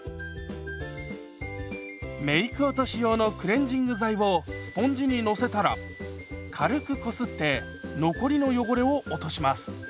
メーク落とし用のクレンジング剤をスポンジにのせたら軽くこすって残りの汚れを落とします。